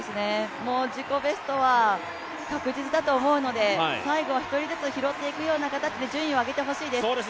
自己ベストは確実だと思うので、最後は１人ずつ拾っていくような形で順位を上げてほしいです。